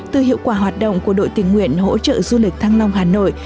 từ hiệu quả hoạt động của đội tình nguyện hỗ trợ du lịch thăng long hà nội